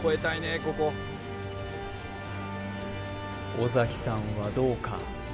尾崎さんはどうか？